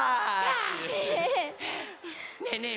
ねえねえ